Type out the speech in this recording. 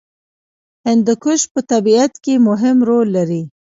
هندوکش په طبیعت کې مهم رول لري.